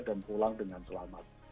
dan pulang dengan selamat